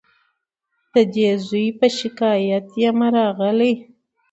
د دې زوی په شکایت یمه راغلې